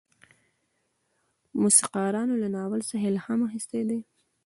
موسیقارانو له ناول څخه الهام اخیستی دی.